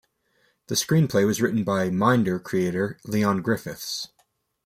The screenplay was written by Minder creator Leon Griffiths.